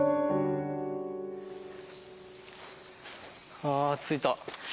ああ、着いた。